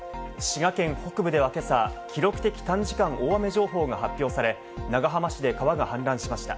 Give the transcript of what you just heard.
滋賀県北部では今朝、記録的短時間大雨情報が発表され長浜市で川が氾濫しました。